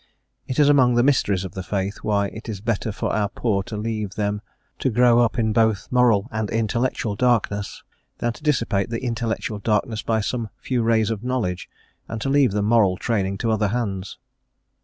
It is among the "mysteries" of the faith, why it is better for our poor to leave' them to grow up in both moral and intellectual darkness, than to dissipate the intellectual darkness by some few rays of knowledge, and to leave the moral training to other hands.